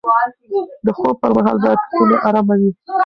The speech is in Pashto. د خوب پر مهال باید خونه ارامه وي.